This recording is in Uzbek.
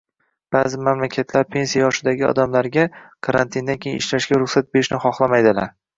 Ba'zi mamlakatlar pensiya yoshidagi odamlarga karantindan keyin ishlashga ruxsat berishni xohlamaydilar